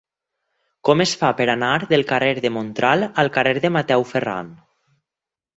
Com es fa per anar del carrer de Mont-ral al carrer de Mateu Ferran?